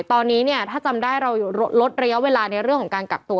ตอนนี้เนี่ยถ้าจำได้เราลดระยะเวลาในเรื่องของการกักตัว